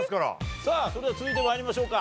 さあそれでは続いて参りましょうか。